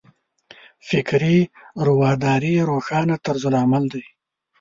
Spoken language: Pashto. فکري رواداري یې روښانه طرز عمل دی.